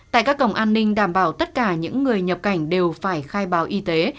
tại các cổng an ninh đảm bảo tất cả những người nhập cảnh đều phải khai báo y tế